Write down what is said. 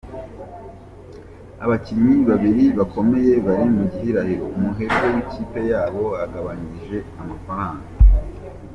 Abakinnyi Babiri Bakomeye Bari mu gihirahiro, umuherwe w’ikipe yabo agabanyije amafaranga.